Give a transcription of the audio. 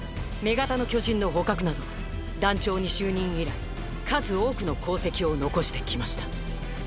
女型の巨人の捕獲など団長に就任以来数多くの功績を残してきました。